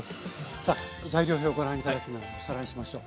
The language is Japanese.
さあ材料表をご覧頂きながらおさらいしましょう。